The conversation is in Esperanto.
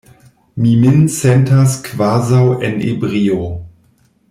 Mi min sentas kvazaŭ en ebrio.